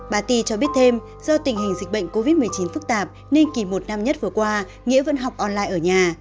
bà ti cho biết thêm do tình hình dịch bệnh covid một mươi chín phức tạp nên kỳ một năm nhất vừa qua nghĩa vẫn học online ở nhà